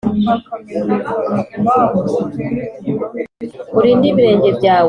, Urinde ibirenge byawe kujya mu nzira yabo,